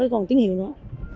không có còn tiếng hiệu nữa